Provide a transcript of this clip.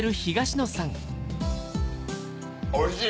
おいしい！